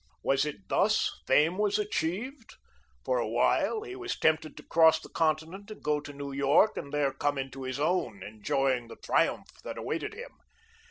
Was it thus fame was achieved? For a while he was tempted to cross the continent and go to New York and there come unto his own, enjoying the triumph that awaited him.